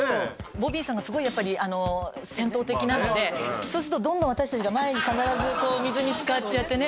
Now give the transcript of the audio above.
ボビーさんがすごいやっぱり戦闘的なのでそうするとどんどん私達が前に必ずこう水につかっちゃってね